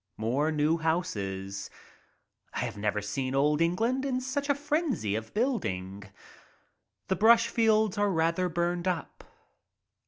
More new houses. I have never seen Old England in such a frenzy of building. The brush fields are rather burned up.